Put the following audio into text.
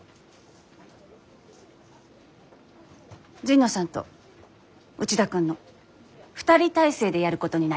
神野さんと内田君の２人体制でやることになりました。